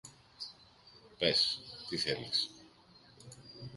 Πες, τι θέλεις;